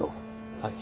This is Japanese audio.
はい。